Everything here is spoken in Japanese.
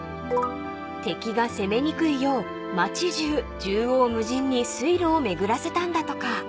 ［敵が攻めにくいよう町中縦横無尽に水路を巡らせたんだとか］